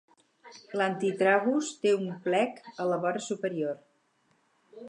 L'antitragus té un plec a la vora superior.